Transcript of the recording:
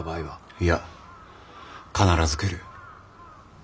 いや必ず来る。